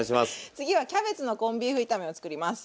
次はキャベツのコンビーフ炒めを作ります。